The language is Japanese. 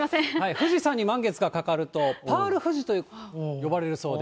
富士山に満月がかかると、パール富士と呼ばれるそうで。